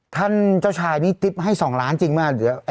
ท่านเจ้าชายติ๊บให้สองล้านจริงไหม